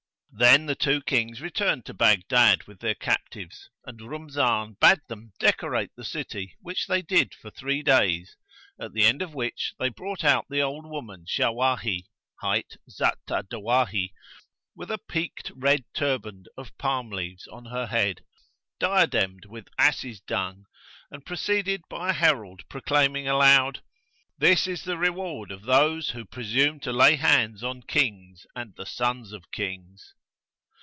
Then the two Kings returned to Baghdad, with their captives, and Rumzan bade them decorate the city which they did for three days, at the end of which they brought out the old woman Shawahi, highs Zat al Dawahi, with a peaked red turband of palm leaves on her head, diademed with asses' dung and preceded by a herald proclaiming aloud, "This is the reward of those who presume to lay hands on Kings and the sons of Kings!"